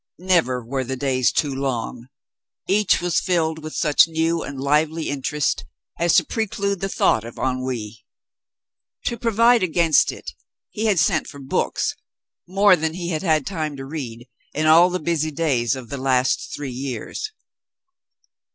Never were the days too long. Each was filled with such new and lively interest as to preclude the thought of ennui. To provide against it, he had sent for books — more than he had had time to read in all the busy days of the last three years.